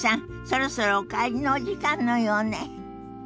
そろそろお帰りのお時間のようね。